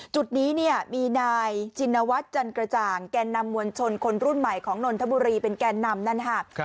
จุดนี้เนี่ยมีนายชินวัฒน์จันกระจ่างแก่นำมวลชนคนรุ่นใหม่ของนนทบุรีเป็นแก่นำนั่นค่ะ